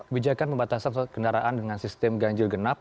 bijakan pembatasan kendaraan dengan sistem ganjil genap